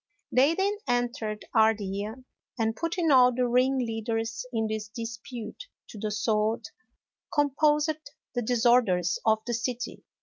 They then entered Ardea, and putting all the ringleaders in this dispute to the sword, composed the disorders of the city.